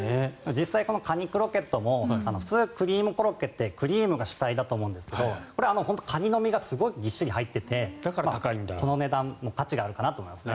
このかにクロケットも普通、クリームコロッケってクリームが主体だと思うんですがカニの身がたくさん入っていてこの値段の価値があるかなと思います。